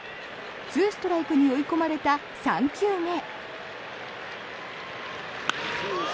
２ストライクに追い込まれた３球目。